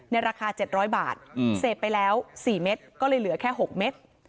ในราคาเจ็ดร้อยบาทอืมเสพไปแล้วสี่เม็ดก็เลยเหลือแค่หกเม็ด